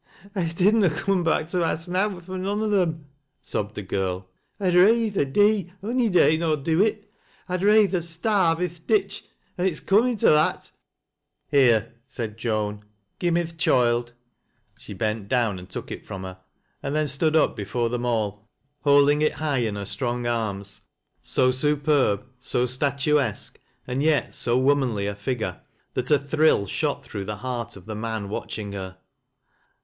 " 1 did na coom back to ax nowt fro' noan o' them," nobbed the girl. " I'd rayther dee ony day nor do it 1 I'd rayther starve i' th' ditch— an' it's comin' to that." S4 THAT LASS 0' LO WBIBPS. " Here," said Joan, " gi' me th' choild." She beut down and took it from her, and then stood aj before them all, holding it high in her strong arms— bo superb, so statuesque, and yet so womanly a figure, that n Hirill shot through the heart of the man watching her.